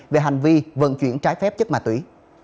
về hành vi vận chuyển trái phép chất ma túy